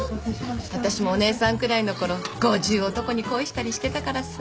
私もお姉さんくらいのころ五十男に恋したりしてたからさ。